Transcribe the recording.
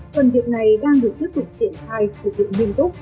phần việc này đang được tiếp tục triển khai thực hiện nghiêm túc